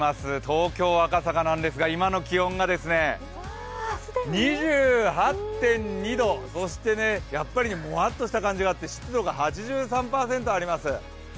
東京・赤坂なんですが今の気温が２８．２度、そして、もわっとした感じがあって湿度が８３％あります。